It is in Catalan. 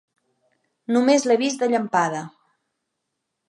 Només l'he vist de llampada.